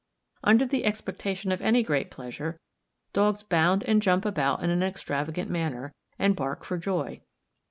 Under the expectation of any great pleasure, dogs bound and jump about in an extravagant manner, and bark for joy.